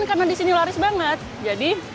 makanan yang paling enak jadi cepat habis juga